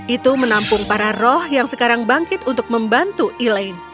itu menampung para roh yang sekarang bangkit untuk membantu elaine